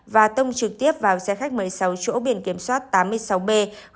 và tông trực tiếp vào xe khách một mươi sáu chỗ biển kiểm soát tám mươi sáu b một